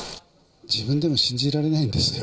自分でも信じられないんですよ。